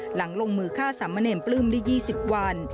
หลังลงมือฆ่าสามเณรปลื้มได้๒๐วัน